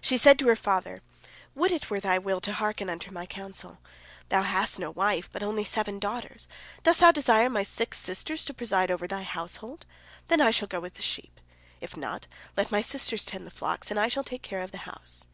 She said to her father: "Would it were thy will to hearken unto my counsel. Thou hast no wife, but only seven daughters. Dost thou desire my six sisters to preside over thy household? Then shall I go abroad with the sheep. If not, let my sisters tend the flocks, and I shall take care of the house."